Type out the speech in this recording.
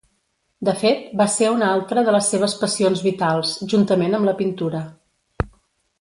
De fet, va ser una altra de les seves passions vitals, juntament amb la pintura.